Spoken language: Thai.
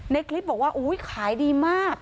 ในคลิปบอกว่าขายดีมาก